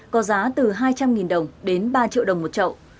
có giá từ hai trăm linh đồng đến ba triệu đồng một trậu